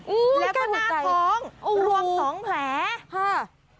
อุ้ยกล้าหัวใจแล้วก็หน้าของรวม๒แผลฮ่า